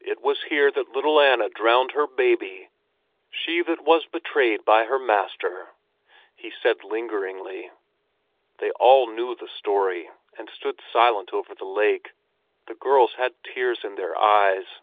"It was here that Little Anna drowned her baby —she that was betrayed by her master," he said lingeringly. They all knew the story, and stood silent over the lake; the girls had tears in their eyes.